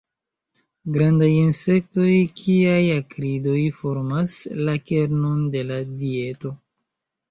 Grandaj insektoj kiaj akridoj formas la kernon de la dieto.